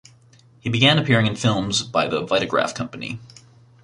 He began appearing in films by the Vitagraph company.